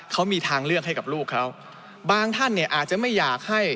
เขามีทางเลือกให้กับลูกเขาบางท่านเนี่ยอาจจะไม่อยากให้